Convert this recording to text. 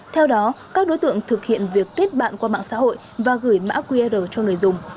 theo đó các đối tượng thực hiện việc kết bạn qua mạng xã hội và gửi mã qr cho người dùng